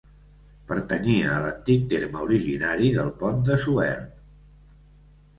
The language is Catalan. Pertanyia a l'antic terme originari del Pont de Suert.